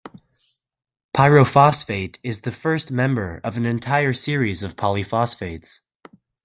Pyrophosphate is the first member of an entire series of polyphosphates.